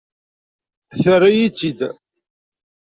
Terra-yi-tt-id.